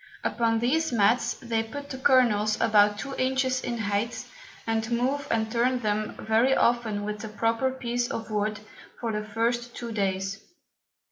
Upon these Mats they put the Kernels about two Inches in height and move and turn them very often with a proper Piece of Wood for the first two Days.